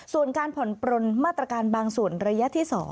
ส่วนการผ่อนปลนมาตรการบางส่วนระยะที่๒